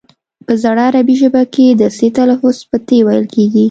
په زړه عربي ژبه کې د ث لفظ په ت ویل کیږي